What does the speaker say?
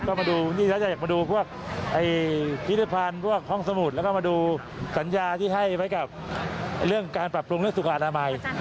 ก็มาดูนี่แล้วจะอยากมาดูพวกพิธภัณฑ์พวกห้องสมุดแล้วก็มาดูสัญญาที่ให้ไว้กับเรื่องการปรับปรุงเรื่องสุขอนามัย